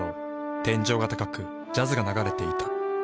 天井が高くジャズが流れていた。